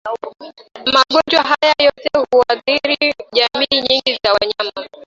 Magonjwa haya yote huathiri jamii nyingi za wanyama